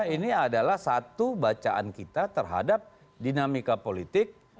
ini adalah satu bacaan kita terhadap dinamika politik